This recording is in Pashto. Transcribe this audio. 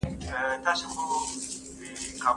ډیپلوماټیکې خبري د ولس ګټي خوندي کوي.